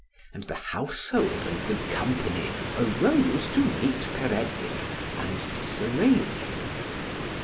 And the household and the company arose to meet Peredur, and disarrayed him.